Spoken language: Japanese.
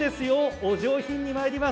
お上品にまいります。